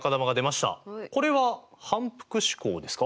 これは反復試行ですか？